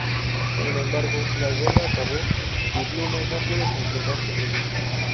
Sin embargo, la guerra acabó y Blume no pudo concretar su proyecto.